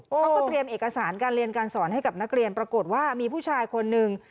เขาก็เตรียมเอกสารการเรียนการสอนให้กับนักเรียนปรากฏว่ามีผู้ชายคนนึง